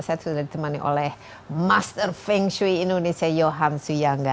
saya sudah ditemani oleh master feng shui indonesia yohan suyangga